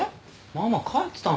ママ帰ってたんだ。